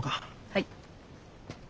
はい。